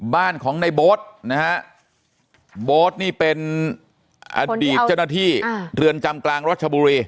บ้านของในโบ๊ทนะฮะโบ๊ทนี่เป็นอดีตเจ้าหน้าที่เรือนจำกลางรัชบุรี